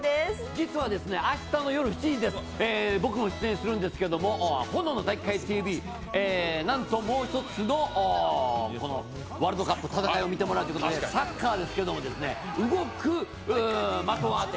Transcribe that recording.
実は明日の夜７時です、僕も出演するんですけれども「炎の体育会ＴＶ」なんともう一つのワールドカップ、戦いを見てもらうということでサッカーですけども、動く的当て。